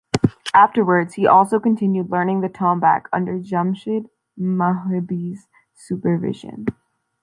Afterwards, he also continued learning the tombak under Jamshid Mohebbi's supervision.